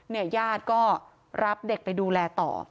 ญาติก็รับเด็กไปดูแลต่อ